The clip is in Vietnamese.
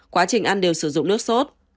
quá trình ăn đều sử dụng nước sốt